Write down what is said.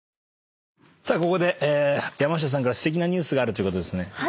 ここで山下さんからすてきなニュースがあるということですね。